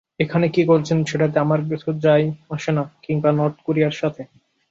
এখানে কী করছেন সেটাতে আমার কিছু যায়-আসে না, কিংবা নর্থ কোরিয়ার সাথে।